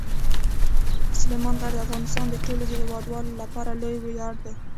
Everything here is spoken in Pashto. سلیمان غر د افغانستان د ټولو هیوادوالو لپاره لوی ویاړ دی.